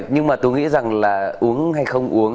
nhưng mà tôi nghĩ rằng là uống hay không uống